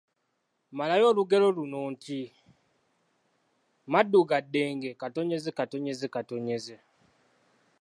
Malayo olugero luno nti: Maddu ga ddenge,……